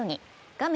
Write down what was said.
画面